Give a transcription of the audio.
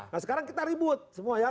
nah sekarang kita ribut semua ya